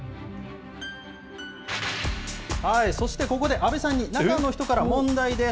そしてここで阿部さんに中の人から問題です。